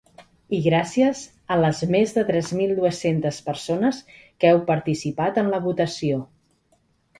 I gràcies a les més de tres mil dues-centes persones que heu participat en la votació.